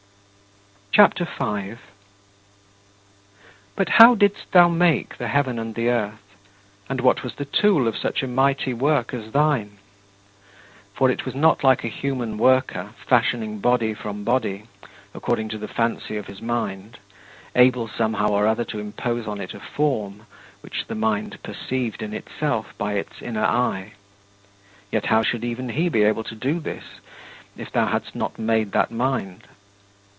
CHAPTER V 7. But how didst thou make the heaven and the earth, and what was the tool of such a mighty work as thine? For it was not like a human worker fashioning body from body, according to the fancy of his mind, able somehow or other to impose on it a form which the mind perceived in itself by its inner eye (yet how should even he be able to do this, if thou hadst not made that mind?).